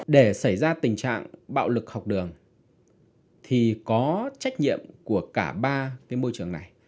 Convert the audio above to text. để xảy ra tình trạng bạo lực học đường thì có trách nhiệm của cả ba cái môi trường này